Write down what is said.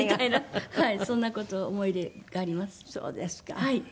はい。